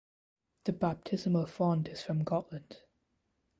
The baptismal font is from Gotland.